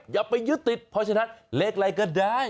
อย่าไปยึดติดเพราะฉะนั้นเลขอะไรก็ได้